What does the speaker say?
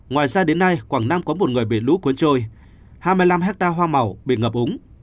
ngoài ra đến nay quảng nam có một người bị lũ cuốn trôi hai mươi năm hectare hoa màu bị ngập úng